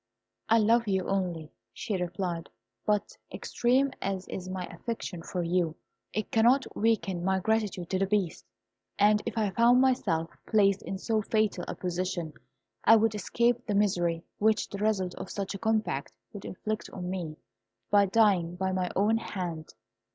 "I love you only," she replied; "but extreme as is my affection for you, it cannot weaken my gratitude to the Beast, and if I found myself placed in so fatal a position, I would escape the misery which the result of such a combat would inflict on me, by dying by my own hand.